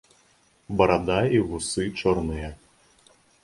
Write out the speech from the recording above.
Барада і вусы чорныя.